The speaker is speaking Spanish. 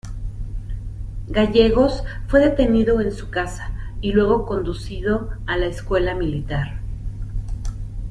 Gallegos fue detenido en su casa y luego conducido a la Escuela Militar.